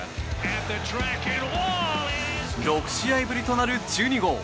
６試合ぶりとなる１２号。